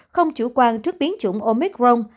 không chủ quan trước biến chủng omicron